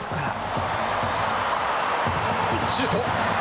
シュート。